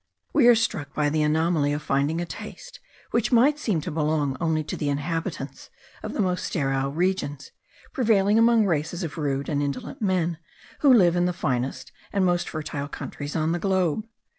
We are struck by the anomaly of finding a taste, which might seem to belong only to the inhabitants of the most sterile regions, prevailing among races of rude and indolent men, who live in the finest and most fertile countries on the globe.